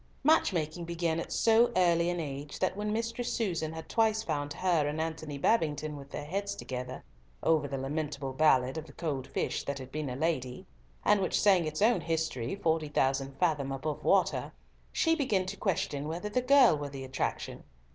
Match making began at so early an age, that when Mistress Susan had twice found her and Antony Babington with their heads together over the lamentable ballad of the cold fish that had been a lady, and which sang its own history "forty thousand fathom above water," she began to question whether the girl were the attraction.